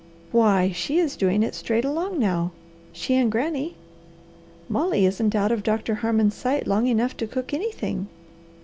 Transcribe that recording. "Why she is doing it straight along now! She and Granny! Molly isn't out of Doctor Harmon's sight long enough to cook anything.